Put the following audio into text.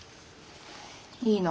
いいの？